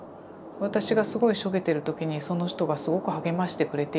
私がすごいしょげてる時にその人がすごく励ましてくれていたりだとか。